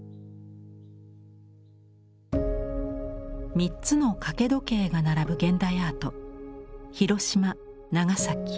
３つの掛け時計が並ぶ現代アート。